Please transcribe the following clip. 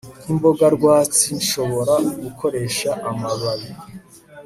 nkimboga rwatsi Nshobora gukoresha amababi